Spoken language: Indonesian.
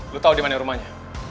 lu tau dimana rumahnya